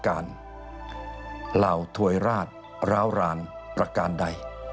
เหล่าถวยราชร้าวรานประการใด